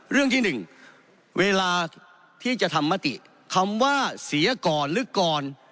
เรื่องที่๑เวลาที่จะทำมติคำว่าเสียก่อนหรือก่อน